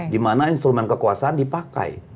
dimana instrumen kekuasaan dipakai